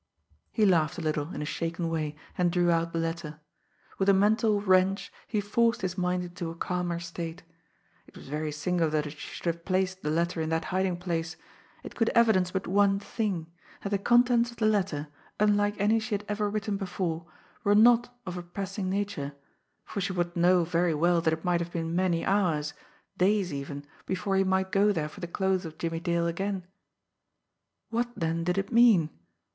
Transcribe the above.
He laughed a little in a shaken way, and drew out the letter. With a mental wrench, he forced his mind into a calmer state. It was very singular that she should have placed the letter in that hiding place! It could evidence but one thing that the contents of the letter, unlike any she had ever written before, were not of a pressing nature, for she would know very well that it might have been many hours, days even, before he might go there for the clothes of Jimmie Dale again! What, then, did it mean?